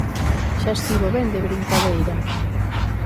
¡Xa estivo ben de brincadeira!